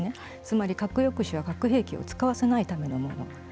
つまり、核抑止は核兵器を使わせないためのもの。